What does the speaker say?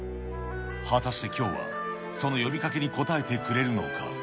果たしてきょうは、その呼びかけに応えてくれるのか。